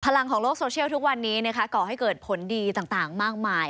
ลงของโลกโซเชียลทุกวันนี้ก่อให้เกิดผลดีต่างมากมาย